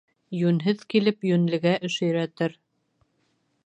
Йүнһеҙ килеп, йүнлегә эш өйрәтер.